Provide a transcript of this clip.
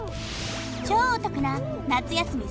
超お得な夏休み